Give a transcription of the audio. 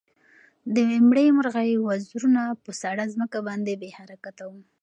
د مړې مرغۍ وزرونه په سړه ځمکه باندې بې حرکته وو.